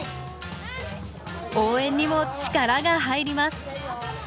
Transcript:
応援にも力が入ります